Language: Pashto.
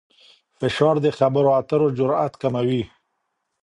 فشار د خبرو اترو جرئت کموي.